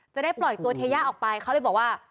จะได้ปล่อยตัวเทย่าออกไปเขาเลยบอกว่า